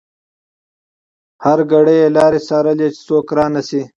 هره شېبه يې لارې څارلې چې څوک رانشي.